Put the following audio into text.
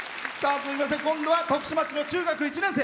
続きまして、今度は徳島市の中学１年生。